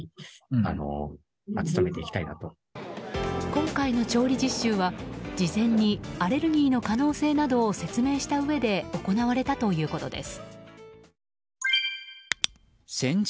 今回の調理実習は事前にアレルギーの可能性などを説明したうえで行われたということです。